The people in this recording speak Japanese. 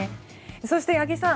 そして、八木さん